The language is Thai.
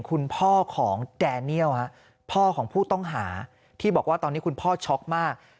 คุณพ่อของแดเนียลพ่อของผู้ต้องหาที่บอกว่าตอนนี้คุณพ่อช็อกมาก